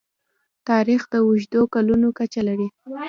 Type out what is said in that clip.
تاریخ د اوږدو کلونو کچه لري.